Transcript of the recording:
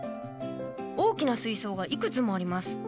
大きな水槽がいくつもあります。